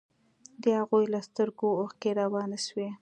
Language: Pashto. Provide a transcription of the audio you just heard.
د هغوى له سترګو اوښكې روانې سوې.